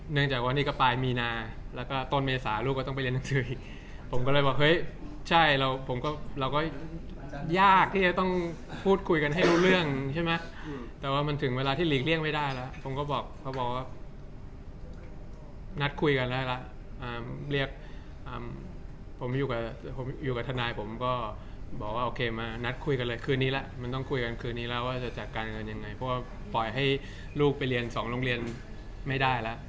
เนื่องจากว่านี่ก็ปลายมีนาแล้วก็ต้นเมษาลูกก็ต้องไปเรียนหนังสืออีกผมก็เลยบอกเฮ้ยใช่แล้วผมก็เราก็ยากที่จะต้องพูดคุยกันให้รู้เรื่องใช่ไหมแต่ว่ามันถึงเวลาที่หลีกเลี่ยงไม่ได้แล้วผมก็บอกเขาบอกว่านัดคุยกันได้แล้วเรียกผมอยู่กับทนายผมก็บอกว่าโอเคมานัดคุยกันเลยคืนนี้ล่ะมันต้องคุยกันคืนนี้แล้วว่